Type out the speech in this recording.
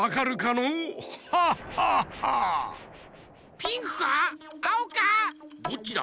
ピンクか？